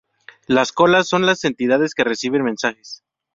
Las colas son las entidades que reciben mensajes.